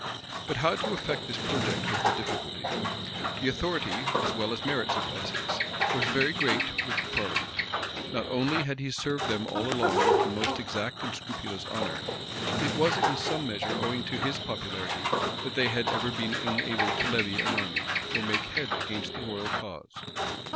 But how to effect this project was the difficulty. The authority, as well as merits, of Essex was very great with the parliament. Not only he had served them all along with the most exact and scrupulous honor: it was in some measure owing to his popularity that they had ever been enabled to levy an army, or make head against the royal cause.